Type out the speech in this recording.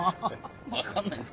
分かんないんですか。